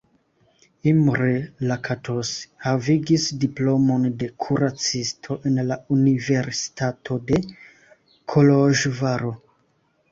Imre Lakatos havigis diplomon de kuracisto en la Universitato de Koloĵvaro.